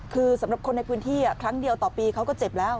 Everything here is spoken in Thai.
คือสำหรับคนในพื้นที่ครั้งเดียวต่อปีเขาก็เจ็บแล้ว